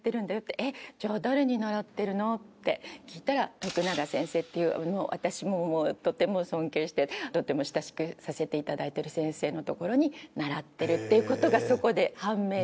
「えっじゃあ誰に習ってるの？」って聞いたら徳永先生っていう私ももうとても尊敬してとても親しくさせて頂いてる先生のところに習ってるっていう事がそこで判明して。